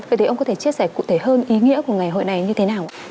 vậy thì ông có thể chia sẻ cụ thể hơn ý nghĩa của ngày hội này như thế nào